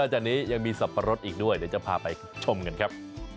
นอกจากนี้ยังมีสปรสอีกด้วยถ้าจะพาไปชมกันครับ